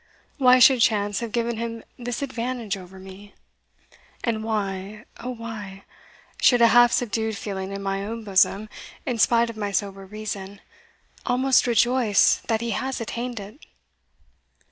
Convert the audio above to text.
Why should chance have given him this advantage over me? and why, oh why, should a half subdued feeling in my own bosom, in spite of my sober reason, almost rejoice that he has attained it?"